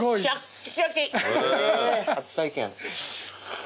初体験。